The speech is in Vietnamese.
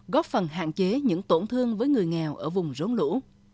góp phần hạn chế những tổn thương với người nghèo ở vùng rốn lũ